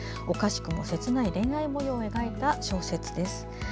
おかしくも切ない恋愛もようを描いた小説です。